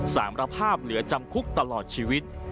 สารภาพเหลือจำคุกตลอดชีวิต